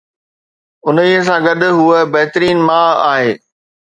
انهي سان گڏ، هوء بهترين ماء آهي